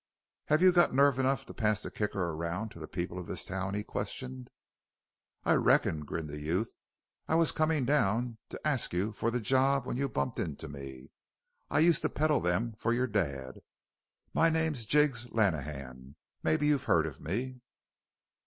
"Have you got nerve enough to pass the Kicker around to the people of this town?" he questioned. "I reckon," grinned the youth. "I was comin' down to ast you for the job when you bumped into me. I used to peddle them for your dad. My name's Jiggs Lenehan mebbe you've heard of me?"